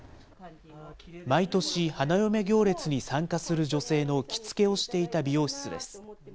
毎年、花嫁行列に参加する女性の着付けをしていた美容室です。